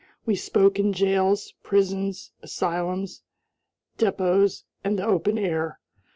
We spoke in jails, prisons, asylums, depots, and the open air.